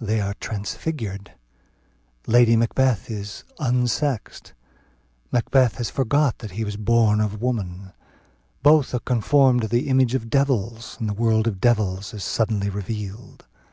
They are transfigured: Lady Macbeth is "unsexed;" Macbeth has forgot that he was born of woman; both are conformed to the image of devils; and the world of devils is suddenly revealed.